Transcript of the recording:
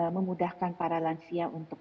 memudahkan para lansia untuk